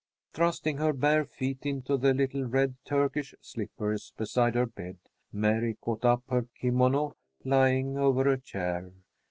Thrusting her bare feet into the little red Turkish slippers beside her bed, Mary caught up her kimono lying over a chair.